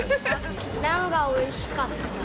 ナンがおいしかった。